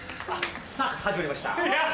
さぁ始まりました！